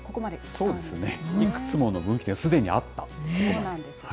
そうですね、いくつもの分岐点、すでにあったんですね。